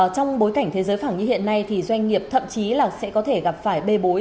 trong bối cảnh thế giới phẳng như hiện nay thì doanh nghiệp thậm chí là sẽ có thể gặp phải bê bối